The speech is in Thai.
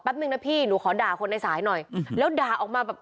นึงนะพี่หนูขอด่าคนในสายหน่อยแล้วด่าออกมาแบบ